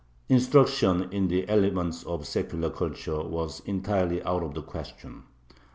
Instruction in the elements of secular culture was entirely out of the question.